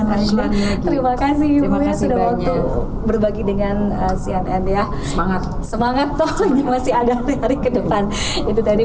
lebih delapan puluh sembilan makasih udah waktu berbagi dengan cnn ya semangat semangat versi agar nyari kedepan itu tadi